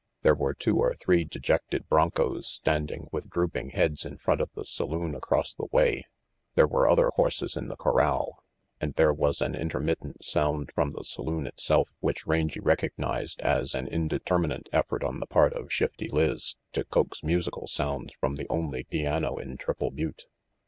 There were two or three dejected bronchos standing with drooping heads in front of the saloon across the way; there were other horses in the corral, and there was an intermittent sound from the saloon itself which Rangy recognized as an indeterminate effort on the part of Shifty Lizz to coax musical sounds from the only piano in Triple Butte.